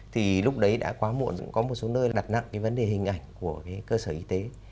thì lúc đấy đã quá muộn có một số nơi đặt nặng cái vấn đề hình ảnh của cái cơ sở y tế